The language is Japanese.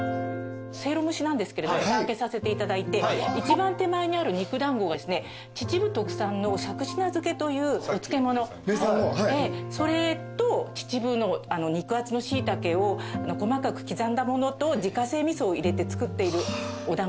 せいろ蒸しなんですけれどふた開けさせていただいて一番手前にある肉だんごがですね秩父特産のしゃくしな漬というお漬物それと秩父の肉厚のシイタケを細かく刻んだものと自家製味噌を入れて作っているおだんごなんです。